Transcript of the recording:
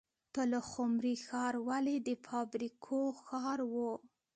پلخمري ښار ولې د فابریکو ښار و؟